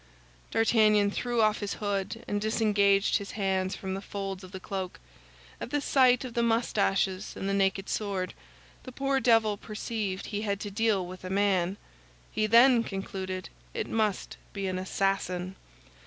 D'Artagnan threw off his hood, and disengaged his hands from the folds of the cloak. At sight of the mustaches and the naked sword, the poor devil perceived he had to deal with a man. He then concluded it must be an assassin.